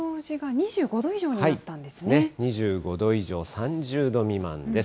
２５度以上３０度未満です。